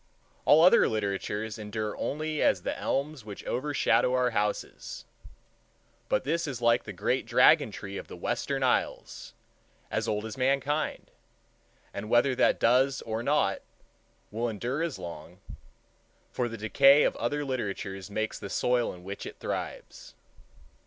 All other literatures endure only as the elms which overshadow our houses; but this is like the great dragon tree of the Western Isles, as old as mankind, and, whether that does or not, will endure as long; for the decay of other literatures makes the soil in which it thrives.